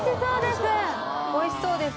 おいしそうです。